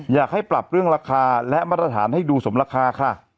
อยากให้ปรับเรื่องราคาและมาตรฐานให้ดูสมราคาค่ะ